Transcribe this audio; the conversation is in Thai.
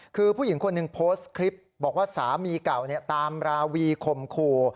คือผู้หญิงคนหนึ่งโพสต์คลิปบอกว่าสามีเก่าตามราวีข่มขู่